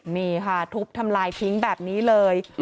นี่ค่ะทุบทำลายทิ้งแบบนี้เลย